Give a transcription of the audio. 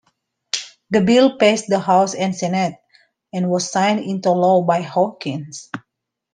The bill passed the House and Senate, and was signed into law by Hawkins.